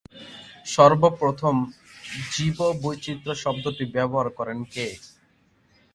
সর্বপ্রথম জীববৈচিত্র্য শব্দটি ব্যবহার করেন কে?